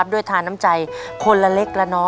หนึ่งหมื่น